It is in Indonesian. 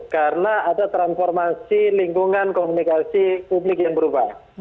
karena ada transformasi lingkungan komunikasi publik yang berubah